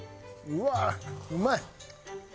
うわーうまい！